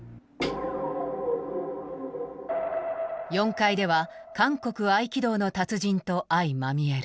４階では韓国合気道の達人と相まみえる。